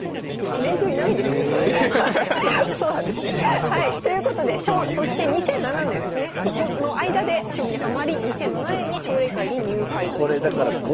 そうなんですねはいということでそして２００７年ですねそこの間で将棋にハマり２００７年に奨励会に入会ということです。